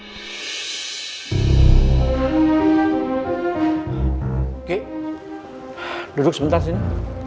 oke duduk sebentar sini